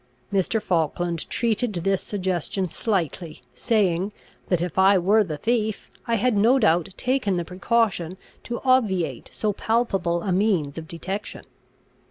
Mr. Falkland treated this suggestion slightly, saying, that if I were the thief, I had no doubt taken the precaution to obviate so palpable a means of detection.